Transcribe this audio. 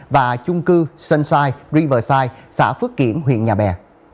và chung cư sunshine riverside xã phước kiển huyện nhà bè